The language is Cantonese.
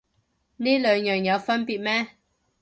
呢兩樣有分別咩